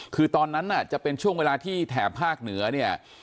คือตอนนั้นจะเป็นช่วงเวลาที่แถบภาคเหนือเนี่ย